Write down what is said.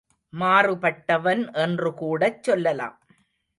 மாறுபட்டவன் என்றுகூடச் சொல்லலாம்.